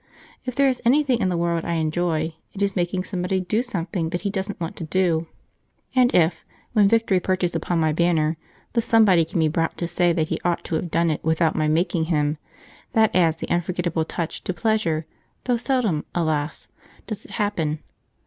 If there is anything in the world I enjoy, it is making somebody do something that he doesn't want to do; and if, when victory perches upon my banner, the somebody can be brought to say that he ought to have done it without my making him, that adds the unforgettable touch to pleasure, though seldom, alas! does it happen.